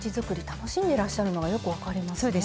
楽しんでらっしゃるのがよく分かりますね。